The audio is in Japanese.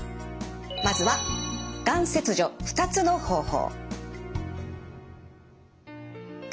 まずはがん切除ふたつの方法。